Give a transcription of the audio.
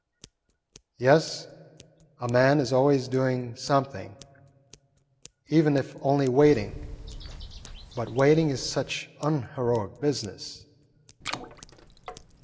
"Yes, a man is always doing something, even if only waiting; but waiting is such unheroic business."